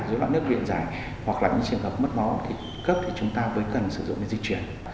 dối loạn nước điện dài hoặc là những trường hợp mất máu thì cấp thì chúng ta mới cần sử dụng dịch truyền